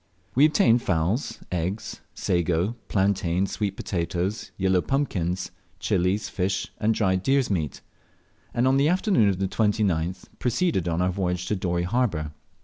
We obtained fowls, eggs, sago, plantains, sweet potatoes, yellow pumpkins, chilies, fish, and dried deer's meat; and on the afternoon of the 29th proceeded on our voyage to Dorey harbour.